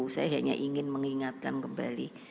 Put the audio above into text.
saya hanya ingin mengingatkan kembali